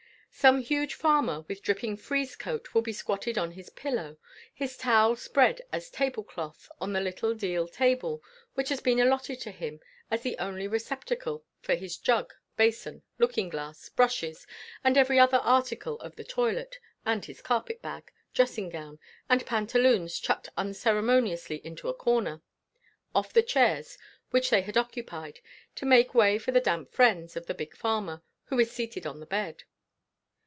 Some huge farmer with dripping frieze coat will be squatted on his pillow, his towel spread as table cloth on the little deal table which has been allotted to him as the only receptacle for his jug, basin, looking glass, brushes, and every other article of the toilet, and his carpet bag, dressing gown, and pantaloons chucked unceremoniously into a corner, off the chairs which they had occupied, to make way for the damp friends of the big farmer, who is seated on the bed.